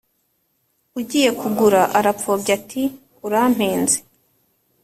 ugiye kugura arapfobya ati “urampenze,